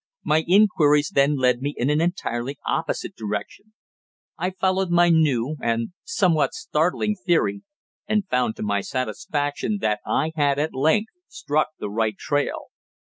My inquiries then led me in an entirely opposite direction. I followed my new and somewhat startling theory, and found to my satisfaction that I had at length struck the right trail.